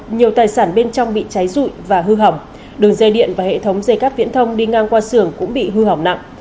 nhiều tài sản bên trong bị cháy rụi và hư hỏng đường dây điện và hệ thống dây cắp viễn thông đi ngang qua xưởng cũng bị hư hỏng nặng